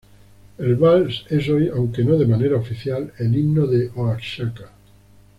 El vals es hoy, aunque no de manera oficial, el himno de Oaxaca.